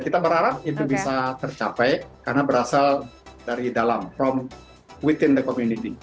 kita berharap itu bisa tercapai karena berasal dari dalam from within the community